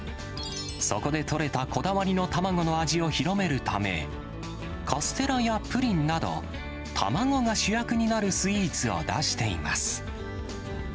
そこで採れたこだわりの卵の味を広めるため、カステラやプリンなど、卵が主役になるスイーツを出しています。